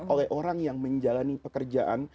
oleh orang yang menjalani pekerjaan